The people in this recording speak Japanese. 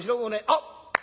あっ！